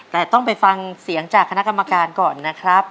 แต่ต้องไปฟังเสียงจากคณะกรรมการก่อนนะครับ